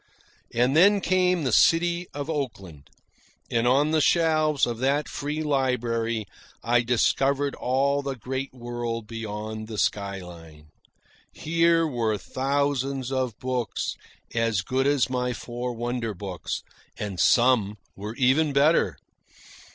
And then came the city of Oakland, and on the shelves of that free library I discovered all the great world beyond the skyline. Here were thousands of books as good as my four wonder books, and some were even better.